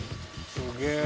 すげえ。